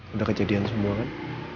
udah kejadian semua kan